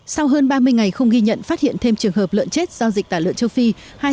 sau hơn ba mươi ngày không ghi nhận phát hiện thêm trường hợp lợn chết do dịch tả lợn châu phi